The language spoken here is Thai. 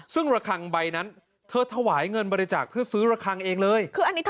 ซึ่งระคังใบนั้นเธอถวายเงินบริจาคเพื่อซื้อระคังเองเลย